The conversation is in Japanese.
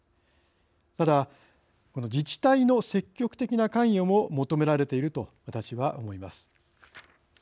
ただ自治体の積極的な関与も求められていると私は思います。